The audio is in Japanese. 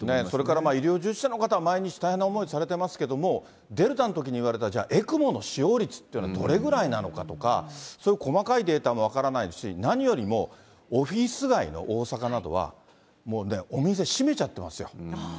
それから医療従事者の方、毎日大変な思いをされてますけれども、デルタのときにいわれたじゃあ、ＥＣＭＯの使用率っていうのはどれぐらいなのかとか、そういう細かいデータも分からないし、何よりも、オフィス街の、大阪などは、もうね、お店閉めちゃってますよ。